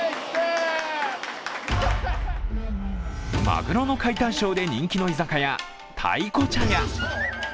マグロの解体ショーで人気の居酒屋、たいこ茶屋。